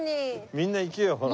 みんな行けよほら。